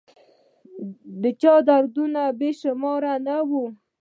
د چا دردونه په شمار نه وه